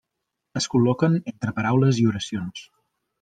Es col·loquen entre paraules i oracions.